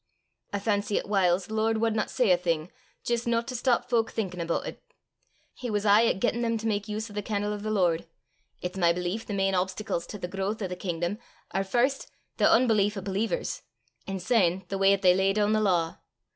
I fancy 'at whiles the Lord wadna say a thing jist no to stop fowk thinkin' aboot it. He was aye at gettin' them to mak use o' the can'le o' the Lord. It's my belief the main obstacles to the growth o' the kingdom are first the oonbelief o' believers, an' syne the w'y 'at they lay doon the law.